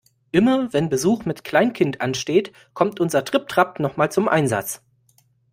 Immer wenn Besuch mit Kleinkind ansteht, kommt unser Tripp-Trapp noch mal zum Einsatz.